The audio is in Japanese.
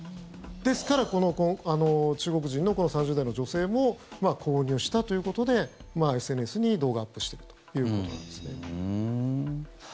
ですからこの中国人の３０代の女性も購入したということでＳＮＳに動画をアップしているということですね。